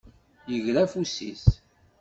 Yegra afus-is.